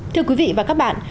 thưa quý vị và các bạn